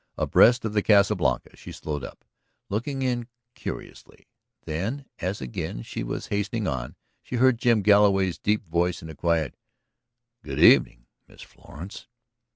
Abreast of the Casa Blanca she slowed up, looking in curiously. Then, as again she was hastening on, she heard Jim Galloway's deep voice in a quiet "Good evening, Miss Florence."